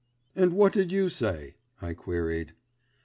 "And what did you say?" I queried.